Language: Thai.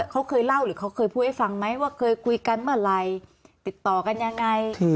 เขาเคยเล่าหรือเขาเคยพูดให้ฟังไหมว่าเคยคุยกันเมื่อไหร่ติดต่อกันยังไง